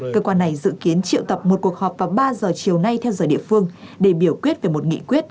cơ quan này dự kiến triệu tập một cuộc họp vào ba giờ chiều nay theo giờ địa phương để biểu quyết về một nghị quyết